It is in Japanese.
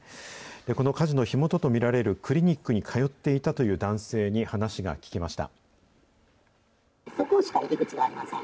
この火事の火元と見られるクリニックに通っていたという男性に話が聞けました。